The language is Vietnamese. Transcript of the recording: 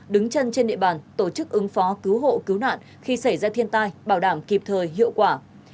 đứng chân trên địa bàn tổ chức ứng phó cứu hộ cứu nạn khi xảy ra thiên tai bảo đảm kịp thời hiệu quả